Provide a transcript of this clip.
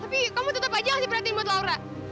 tapi kamu tetap aja masih perhatiin buat laura